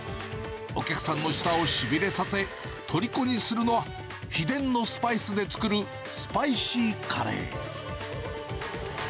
お客さんの舌をしびれさせ、とりこにするのは、秘伝のスパイスで作るスパイシーカレー。